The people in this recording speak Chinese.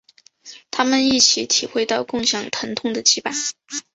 他们一起体会到共享疼痛的羁绊。